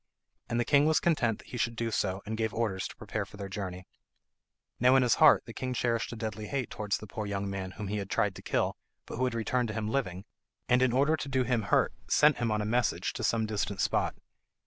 And the king was content that he should do so, and gave orders to prepare for their journey. Now in his heart the king cherished a deadly hate towards the poor young man whom he had tried to kill, but who had returned to him living, and in order to do him hurt sent him on a message to some distant spot.